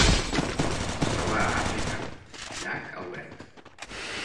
Es troba a Àfrica: llac Albert.